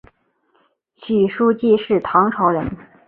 许叔冀是唐朝人。